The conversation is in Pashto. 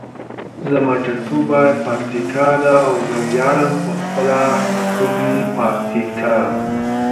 زما ټاټوبی پکتیکا ده او زه ویاړمه په خپله ښکلي پکتیکا.